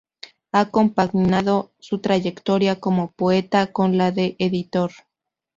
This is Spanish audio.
Ha compaginado su trayectoria como poeta con la de editor.